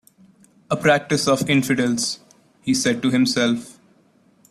"A practice of infidels," he said to himself.